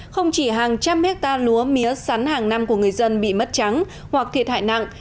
không chỉ hàng trăm hectare lúa mía sắn hàng năm của người dân bị mất trắng hoặc thiệt hại nặng